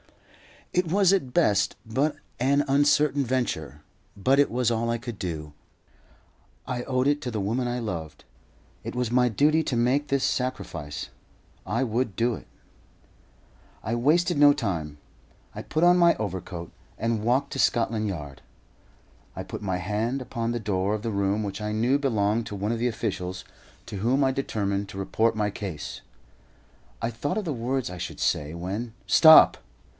It was at best but an uncertain venture, but it was all I could do. I owed it to the woman I loved. It was my duty to make this sacrifice. I would do it. I wasted no time; I put on my overcoat and walked to Scotland Yard. I put my hand upon the door of the room which I knew belonged to one of the officials, to whom I determined to report my case. I thought of the words I should say, when "STOP!"